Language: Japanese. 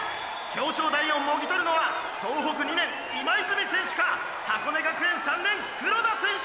表彰台をもぎとるのは総北２年今泉選手か箱根学園３年黒田選手か！」